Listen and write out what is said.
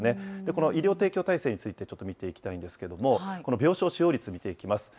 この医療提供体制について、ちょっと見ていきたいんですけれども、この病床使用率見ていきます。